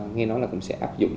nghe nói là cũng sẽ áp dụng